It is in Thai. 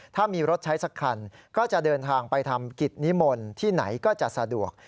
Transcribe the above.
ถ้ามีรถใช้สักคันก็จะเดินทางไปทำกิจนิมนต์ที่ไหนก็จะสะดวก